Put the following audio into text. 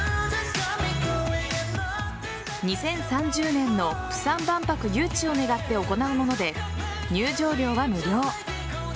２０３０年の釜山万博誘致を願って行うもので入場料は無料。